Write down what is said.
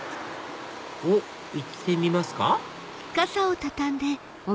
おっ行ってみますか？